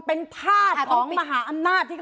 เป็นภาษฐ์ของมหาอำนาจ